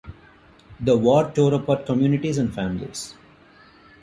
The war tore apart communities and families.